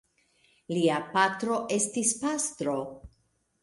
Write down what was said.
Lia patro estis pastro.